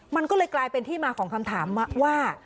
มันก็เลยกลายเป็นที่มาของคำถามว่า